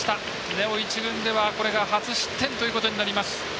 根尾、１軍ではこれが初失点ということになります。